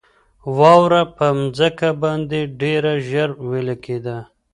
واوره په مځکه باندې ډېره ژر ویلي کېده.